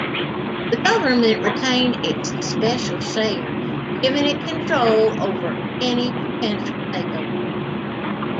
The government retained its 'special share', giving it control over any potential takeover.